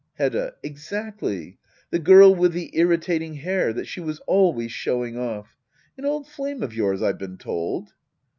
Hedda. Exactly. The girl with the irritating hair, that she was always showing off. An old flame of yours^ I've been told.